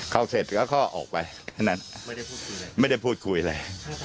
เขาเสร็จแล้วเขาออกไปแค่นั้นไม่ได้พูดคุยอะไร